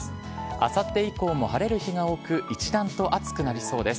あさって以降も晴れる日が多く、一段と暑くなりそうです。